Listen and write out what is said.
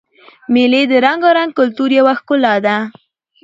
مېلې د رنګارنګ کلتور یوه ښکلا ده.